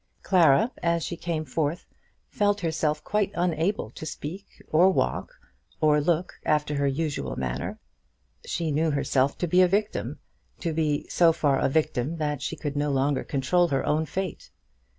Clara, as she came forth, felt herself quite unable to speak, or walk, or look after her usual manner. She knew herself to be a victim, to be so far a victim that she could no longer control her own fate.